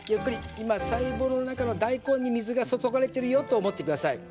今細胞の中の大根に水が注がれてるよと思って下さい。